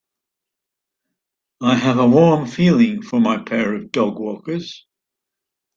I have a warm feeling for my pair of dogwalkers.